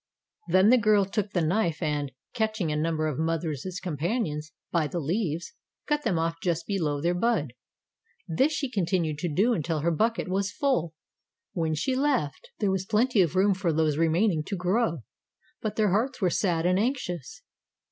Then the girl took the knife and, catching a number of mother's companions by the leaves, cut them off just below their bud. This she continued to do until her bucket was full. When she left there was plenty of room for those remaining to grow, but their hearts were sad and anxious.